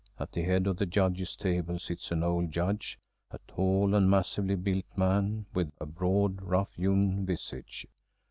At the head of the Judges' table sits an old Judge a tall and massively built man, with a broad, rough hewn visage.